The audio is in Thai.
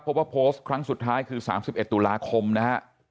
ครับเพราะโพสต์ครั้งสุดท้ายคือ๓๑ตุลาคมนะ